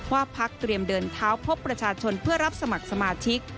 พักเตรียมเดินเท้าพบประชาชนเพื่อรับสมัครสมาชิก